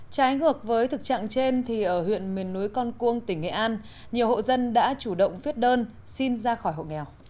trái ngược với thực trạng trên ở huyện miền núi con cuông tỉnh nghệ an nhiều hộ dân đã chủ động viết đơn xin ra khỏi hộ nghèo